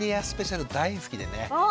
スペシャル大好きでね。